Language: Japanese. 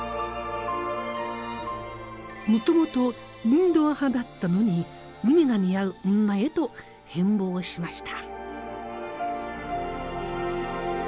もともとインドア派だったのに海が似合う女へと変貌しました。